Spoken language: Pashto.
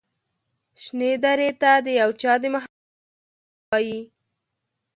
شنې درې ته د یو چا د محبت سندرې وايي